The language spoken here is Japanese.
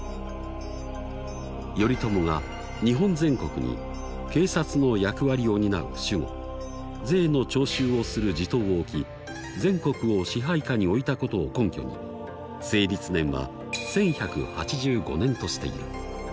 頼朝が日本全国に警察の役割を担う守護税の徴収をする地頭を置き全国を支配下に置いたことを根拠に成立年は１１８５年としている。